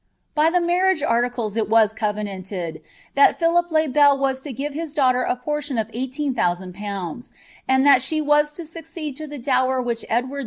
By the marriage articles it was covenanted, that Philip le Bd WifM give his daughter a portion of e^hlecn thousand nouDtls, tai itMit was to suecccd lo the dower which Edward 1.